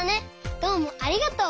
どうもありがとう。